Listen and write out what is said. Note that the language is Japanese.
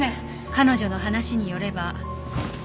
「彼女の話によれば」